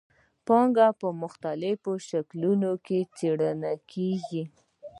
پانګه په مختلفو شکلونو کې څرګندېږي